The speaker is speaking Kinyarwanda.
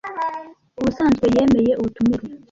Ubusanzwe yemeye ubutumire.